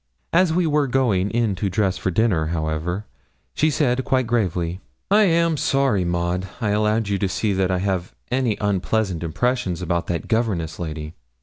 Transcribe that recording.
As we were going in to dress for dinner, however, she said, quite gravely 'I am sorry, Maud, I allowed you to see that I have any unpleasant impressions about that governess lady.